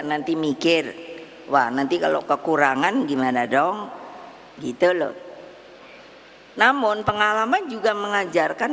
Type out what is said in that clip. nanti mikir wah nanti kalau kekurangan gimana dong gitu loh namun pengalaman juga mengajarkan